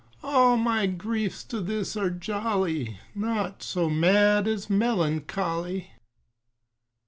All my griefs to this are jolly, Naught so mad as melancholy.